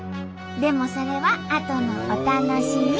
でもそれはあとのお楽しみ！